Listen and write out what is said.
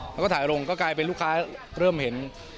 แล้วก็ถ่ายลงก็กลายเป็นลูกค้าเริ่มเห็น